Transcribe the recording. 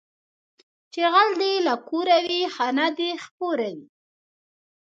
چې غل دې له کوره وي، خانه دې خپوره وي